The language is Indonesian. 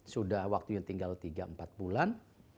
sudah waktunya tinggal tiga empat bulan